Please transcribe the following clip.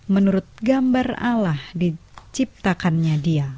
menurut gambar alah diciptakannya dia